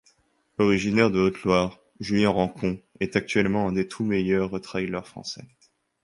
Originaire de Haute-Loire, Julien Rancon est actuellement un des tous meilleurs traileurs français.